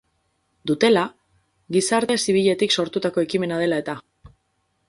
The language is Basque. Dutela, gizarte zibiletik sortutako ekimena dela eta.